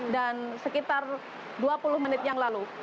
dan sekitar dua puluh menit yang lalu